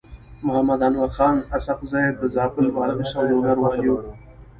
محمد انورخان اسحق زی د زابل، بادغيس او لوګر والي و.